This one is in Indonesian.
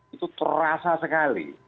itu terasa sekali